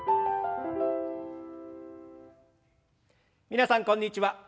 皆さんこんにちは。